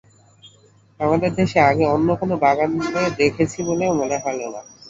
আমাদের দেশে আগে অন্য কোনো বাগানে দেখেছি বলেও মনে হলো না।